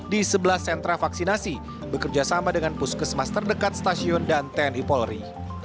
di sebelah sentra vaksinasi bekerjasama dengan puskesmas terdekat stasiun dan tni polri